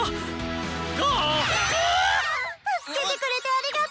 ガープ⁉助けてくれてありがとー！